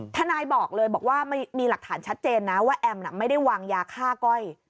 ทนายบอกเลยบอกว่ามีหลักฐานชัดเจนนะว่าแอมไม่ได้วางยาฆ่าก้อย